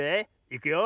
いくよ。